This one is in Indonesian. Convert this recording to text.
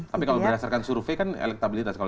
tapi kalau berdasarkan survei kan elektabilitas